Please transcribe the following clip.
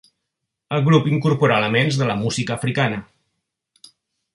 El grup incorpora elements de la música africana.